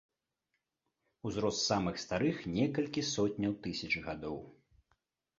Узрост самых старых некалькі сотняў тысяч гадоў.